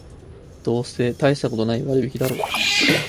どうせたいしたことない割引だろう